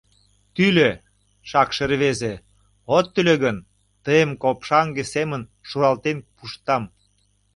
— Тӱлӧ, шакше рвезе, от тӱлӧ гын, тыйым копшаҥге семын шуралтен пуштам!